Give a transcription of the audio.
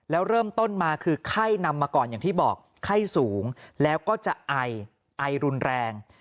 แล้วเริ่มต้นมาคือไข้นำมาก่อนอย่างที่บอกไข้สูงแล้วก็จะไอไอรุนแรง